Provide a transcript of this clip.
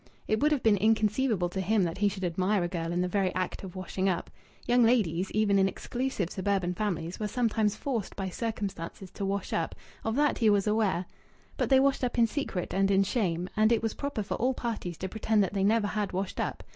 It would have been inconceivable to him that he should admire a girl in the very act of washing up. Young ladies, even in exclusive suburban families, were sometimes forced by circumstances to wash up of that he was aware but they washed up in secret and in shame, and it was proper for all parties to pretend that they never had washed up.